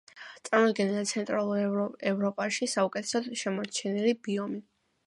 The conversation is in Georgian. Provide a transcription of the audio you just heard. წარმოდგენილია ცენტრალურ ევროპაში საუკეთესოდ შემორჩენილი ბიომი.